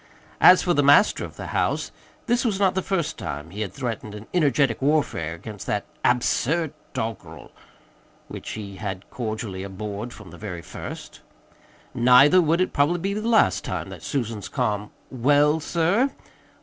As for the master of the house this was not the first time he had threatened an energetic warfare against that "absurd doggerel" (which he had cordially abhorred from the very first); neither would it probably be the last time that Susan's calm "Well, sir?"